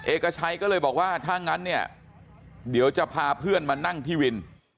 เอกชัยก็เลยบอกว่าถ้างั้นเนี่ยเดี๋ยวจะพาเพื่อนมานั่งที่วิน